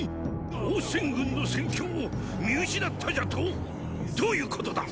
王翦軍の戦況を見失ったじゃとォ⁉どういうことだ！